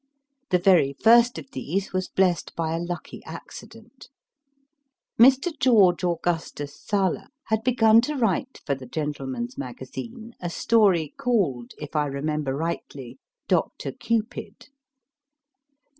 The very first of these was blessed by a lucky accident. Mr. George Augustus Sala had begun to write for The Gentleman s Magazine a story called, if I remember rightly, Dr. Cupid.